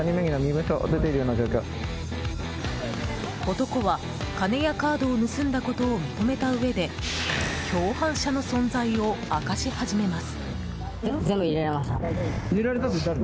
男は金やカードを盗んだことを認めたうえで共犯者の存在を明かし始めます。